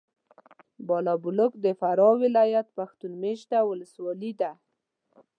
بالابلوک د فراه ولایت پښتون مېشته ولسوالي ده.